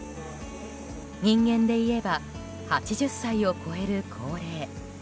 人間でいえば８０歳を超える高齢。